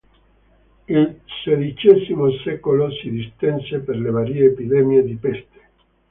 Il sedicesimo secolo si distinse per le varie epidemie di peste.